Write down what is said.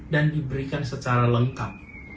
dan diberikan secara lengkap